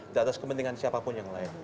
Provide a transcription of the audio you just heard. diatas kepentingan siapapun yang lain